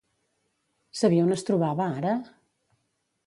Sabia on es trobava ara?